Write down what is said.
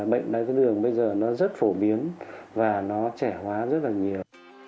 bệnh đáy đường bây giờ nó rất phổ biến và nó trẻ hóa rất là nhiều